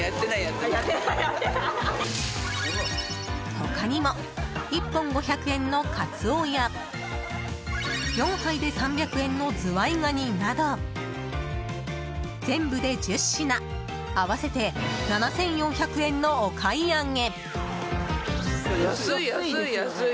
他にも１本５００円のカツオや４杯で３００円のズワイガニなど全部で１０品合わせて７４００円のお買い上げ。